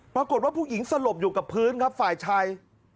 ปรากฏว่าผู้หญิงสลบอยู่กับพื้นครับฝ่ายชาย